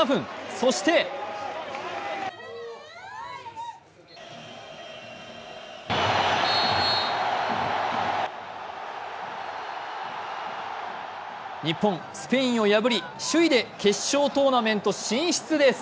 そして日本、スペインを破り首位で決勝トーナメント進出です。